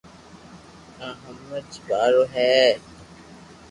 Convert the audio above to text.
آ ھمج وارو ھي